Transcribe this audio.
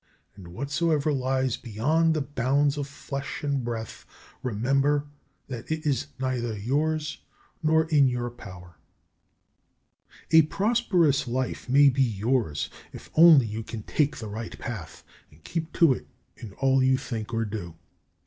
And whatsoever lies beyond the bounds of flesh and breath, remember that it is neither yours nor in your power. 34. A prosperous life may be yours if only you can take the right path, and keep to it in all you think or do.